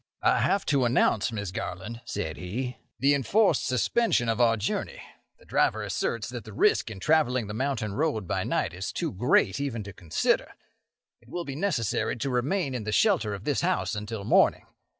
"I have to announce, Miss Garland," said he, "the enforced suspension of our journey. The driver asserts that the risk in travelling the mountain road by night is too great even to consider. It will be necessary to remain in the shelter of this house until morning.